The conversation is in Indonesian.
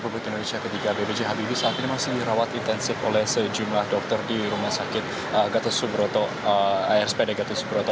bahwa memang presiden ri ketiga bghb saat ini masih dirawat intensif oleh sejumlah dokter di rumah sakit gatot subroto rspad gatot subroto